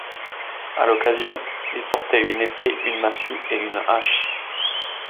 À l’occasion, il portait une épée, une massue et une hache.